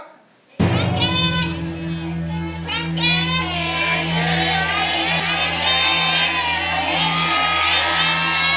กางเกง